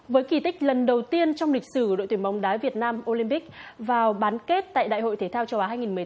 với kỳ tích lần đầu tiên trong lịch sử đội tuyển bóng đá việt nam olympic vào bán kết tại đại hội thể thao châu á hai nghìn một mươi tám